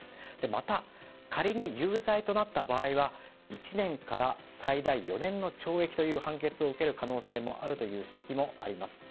また、仮に有罪となった場合は１年から最大４年の懲役という判決を受けるかもしれないと指摘もあります。